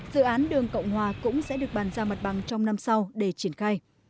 dự án đường cộng hòa cũng sẽ được bàn giao mặt bằng trong năm sau để triển khai